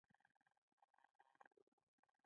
لاسونه د عقیدې ښکارندوی دي